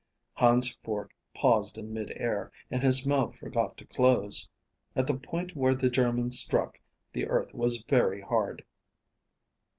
Hans's fork paused in mid air and his mouth forgot to close. At the point where the German struck, the earth was very hard.